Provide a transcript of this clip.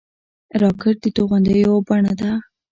راکټ د توغندیو یوه بڼه ده